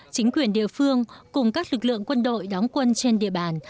chính quyền địa phương cùng các lực lượng quân đội đóng quân trên địa bàn